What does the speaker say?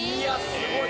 すごい！